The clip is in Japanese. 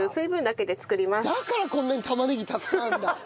だからこんなに玉ねぎたくさんあるんだ。